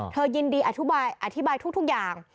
เธอยินดีอธิบายทุกอย่าง